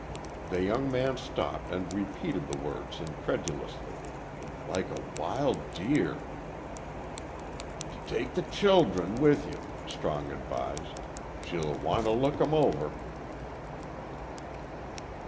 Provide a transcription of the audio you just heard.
The young man stopped and repeated the words incredulously "Like a wild deer!" "T take the ch childem with ye," Strong advised. "She'll w want t' look 'em over."